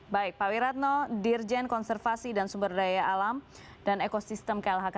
baik pak wirato dirjen konservasi dan sumberdaya alam dan ekosistem klhk